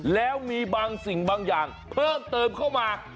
แล้วมีบางสิ่งบางอย่างเพิ่มเติมเข้ามา